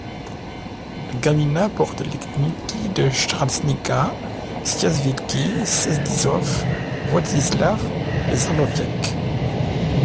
La gmina borde les gminy de Charsznica, Książ Wielki, Sędziszów, Wodzisław et Żarnowiec.